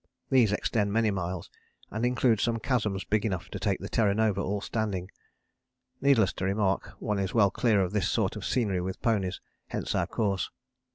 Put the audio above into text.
These extend many miles and include some chasms big enough to take the Terra Nova all standing. Needless to remark, one is well clear of this sort of scenery with ponies hence our course.